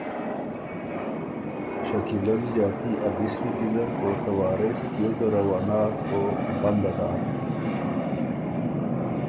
شکیلۀ ل ݫاتي ا دِس نیکیزک او ته وارث پیوزه زره وه ناک او بنده داک،